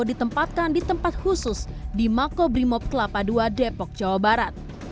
ditempatkan di tempat khusus di makobrimob kelapa ii depok jawa barat